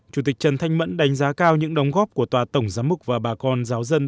chủ tịch trần thanh mẫn đánh giá cao những đóng góp của tòa tổng giám mục và bà con giáo dân